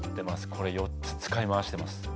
これ４つ使い回してます。